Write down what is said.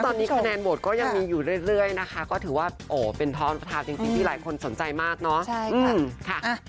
ตอนนี้คะแนนโหวตก็ยังมีอยู่เรื่อยนะคะก็ถือว่าโอ้เป็นท้อนประธานจริงที่หลายคนสนใจมากเนาะ